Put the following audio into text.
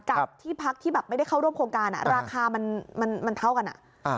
กับที่พักที่ไม่ได้เข้าร่วมโครงการราคามันเท่ากัน